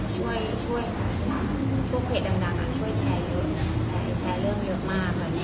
ทางโซเชียลก็มีพวกเพจดังช่วยแชร์เลิกมาก